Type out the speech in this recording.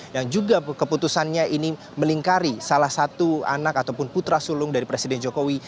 yang juga keputusannya ini melingkari salah satu anak ataupun putra sulung dari presiden jokowi